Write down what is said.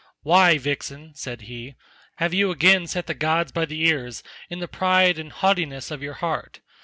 "Why, vixen," said he, "have you again set the gods by the ears in the pride and haughtiness of your heart?